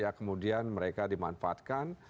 ya kemudian mereka dimanfaatkan